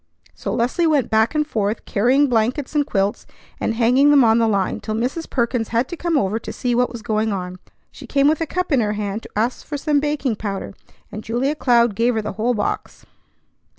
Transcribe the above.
So Leslie went back and forth, carrying blankets and quilts, and hanging them on the line, till Mrs. Perkins had to come over to see what was going on. She came with a cup in her hand to ask for some baking powder, and Julia Cloud gave her the whole box.